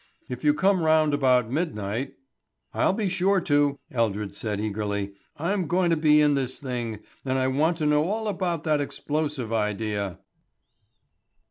If you come round about midnight " "I'll be sure to," Eldred said eagerly. "I'm going to be in this thing. And I want to know all about that explosive idea."